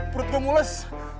perut gue mulas